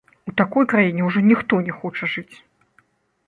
У такой краіне ўжо ніхто не хоча жыць!